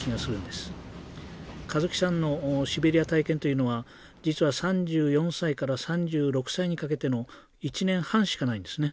香月さんのシベリア体験というのは実は３４歳から３６歳にかけての１年半しかないんですね。